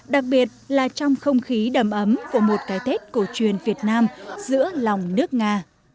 đặc biệt là trong không khí đầm ấm của một cái tết cổ truyền việt nam giữa lòng nước nga